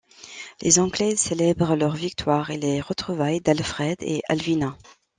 Les Anglais célèbrent leur victoire et les retrouvailles d'Alfred et Alvina.